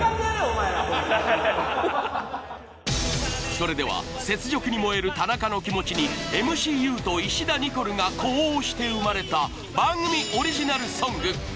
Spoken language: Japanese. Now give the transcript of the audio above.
それでは雪辱に燃える田中の気持ちにＭＣＵと石田ニコルが呼応して生まれた番組オリジナルソング！